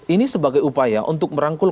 ini sebagai upaya untuk merangkul